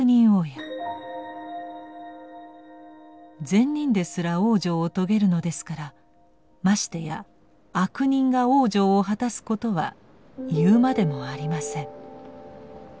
「善人ですら往生をとげるのですからましてや悪人が往生を果たすことは言うまでもありません」。